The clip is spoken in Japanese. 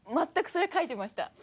全くそれ書いてました。